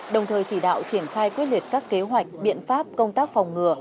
đồng thời chỉ đạo triển khai quyết liệt các kế hoạch biện pháp công tác phòng ngừa